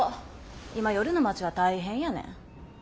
今夜の街は大変やねん。